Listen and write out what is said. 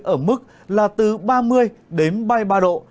ở mức là từ ba mươi đến ba mươi ba độ